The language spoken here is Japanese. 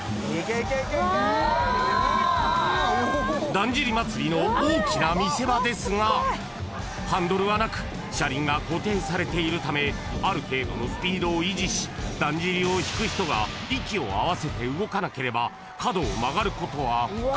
［だんじり祭の大きな見せ場ですがハンドルはなく車輪が固定されているためある程度のスピードを維持しだんじりを引く人が息を合わせて動かなければ角を曲がることは不可能］